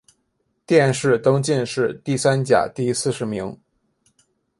殿试登进士第三甲第四十名。